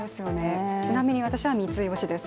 ちなみに私は三井推しです。